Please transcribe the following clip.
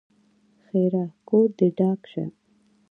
ښېرا: کور دې ډاک شه!